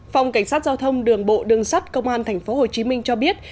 phòng cảnh sát giao thông đường bộ đường sắt công an tp hcm cho biết